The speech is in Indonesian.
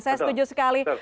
saya setuju sekali